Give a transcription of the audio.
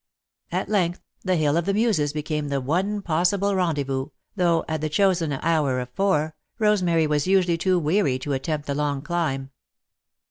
At length, the Hill of the Muses became the one possible rendezvous, though, at the chosen hour of four, Rosemary was usually too weary to attempt the long climb.